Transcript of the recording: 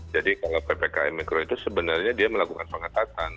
jadi kalau ppkm mikro itu sebenarnya dia melakukan pengetatan